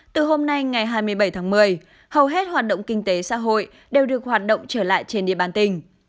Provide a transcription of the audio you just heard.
từ hôm nay ngày hai mươi bảy tháng một mươi hầu hết hoạt động kinh tế xã hội đều được hoạt động trở lại trên địa bàn tỉnh